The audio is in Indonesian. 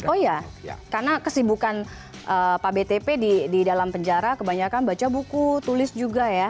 oh iya karena kesibukan pak btp di dalam penjara kebanyakan baca buku tulis juga ya